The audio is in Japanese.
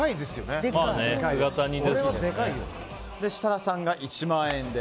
設楽さんが１万円で。